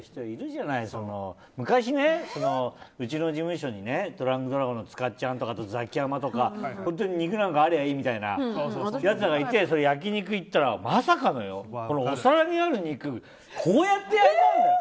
昔ね、うちの事務所にドランクドラゴンの塚っちゃんとかザキヤマとか本当に肉なんかあればいいみたいなやつらがいて焼肉行ったらまさかお皿にある肉こうやってやったんだよ！